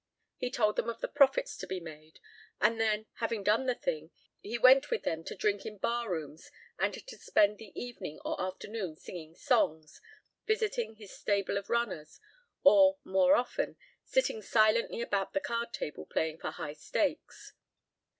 He told them of the profits to be made and then, having done the thing, he went with them to drink in bar rooms and to spend the evening or afternoon singing songs, visiting his stable of runners or, more often, sitting silently about the card table playing for high stakes.